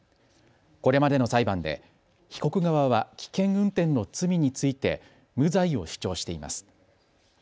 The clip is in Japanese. これまでの裁判で被告側は危険運転の罪について無罪を主張しています。